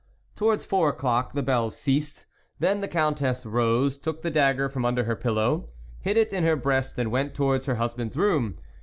Towards four o'clock the bells ceased ; then the Countess rose, took the dagger from under her pillow, bid it in her breast, and went towards her husband's room.